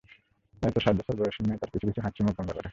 তাইতো সাত বছর বয়সী মেয়ে তার পিছু পিছু হাঁটছে মুখ গোমড়া করে।